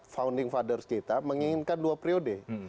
founding fathers kita menginginkan dua periode